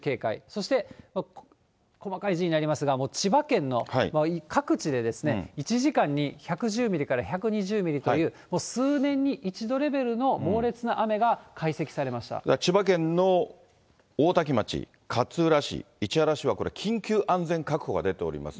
そして細かい字になりますが、千葉県の各地で、１時間に１１０ミリから１２０ミリという数年に一度レベルの猛烈千葉県の大多喜町、勝浦市、市原市はこれ、緊急安全確保が出ております。